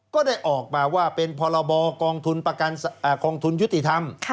ก็ได้ออกมาว่าเป็นพรบกองทุนยุติธรรม